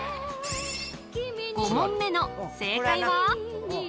５問目の正解は？